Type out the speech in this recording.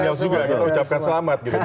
itu millennials juga kita ucapkan selamat gitu